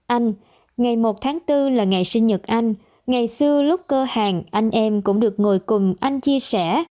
anh ngày một tháng bốn là ngày sinh nhật anh ngày xưa lúc cơ hàng anh em cũng được ngồi cùng anh chia sẻ